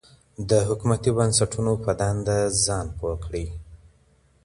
د حکومتي بنسټونو پر دنده ځان پوه کړئ.